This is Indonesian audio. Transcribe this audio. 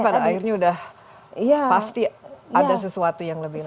tapi pada akhirnya sudah pasti ada sesuatu yang lebih lagi